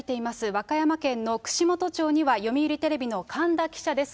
和歌山県の串本町には、読売テレビの神田記者です。